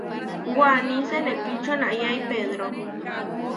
Waní senepí čonayái pedro.